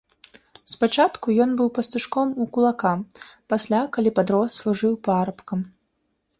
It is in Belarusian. Спачатку ён быў пастушком у кулака, пасля, калі падрос, служыў парабкам.